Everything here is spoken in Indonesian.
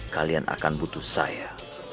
kalian akan butuh saya